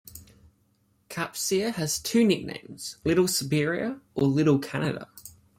Capcir has two nicknames: little Siberia or little Canada.